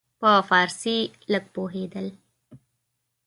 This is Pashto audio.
په فارسي لږ پوهېدل.